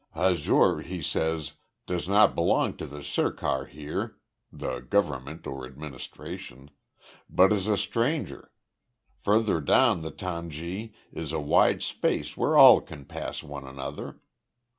Hazur, he says, does not belong to the Sirkar here [the Government, or administration], but is a stranger. Further down the tangi is a wide space where all can pass one another.